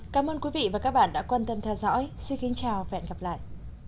cảm ơn quý vị và các bạn đã quan tâm theo dõi xin kính chào và hẹn gặp lại